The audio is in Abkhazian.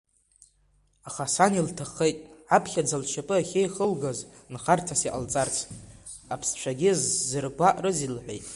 Аха сан илҭаххеит аԥхьаӡа лшьапы ахьеихылгаз нхарҭас иҟалҵарц, аԥсцәагьы зсыргәаҟрызеи лҳәеит.